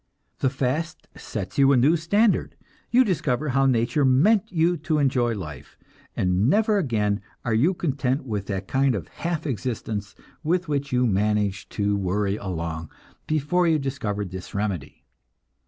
The fast sets you a new standard, you discover how nature meant you to enjoy life, and never again are you content with that kind of half existence with which you managed to worry along before you discovered this remedy.